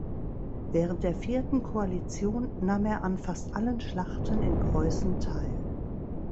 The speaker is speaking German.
Während der Vierten Koalition nahm er an fast allen Schlachten in Preußen teil.